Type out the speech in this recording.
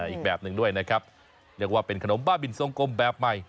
อีกแบบหนึ่งด้วยนะครับเรียกว่าเป็นขนมบ้าบินทรงกลมแบบใหม่